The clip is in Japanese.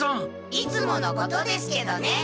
いつものことですけどね。